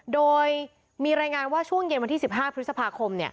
โดยมีรายงานว่าช่วงเย็นวันที่๑๕พฤษภาคม